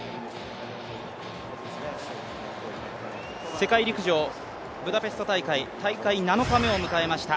世界陸上ブダペスト大会、大会７日目を迎えました。